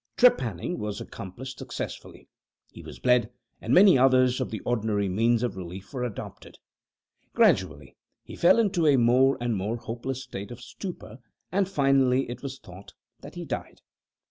Trepanning was accomplished successfully. He was bled, and many other of the ordinary means of relief were adopted. Gradually, however, he fell into a more and more hopeless state of stupor, and, finally, it was thought that he died.